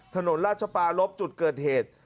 ถนนราชปาลบจุดเกิดเหตุ